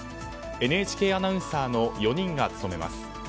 ＮＨＫアナウンサーの４人が務めます。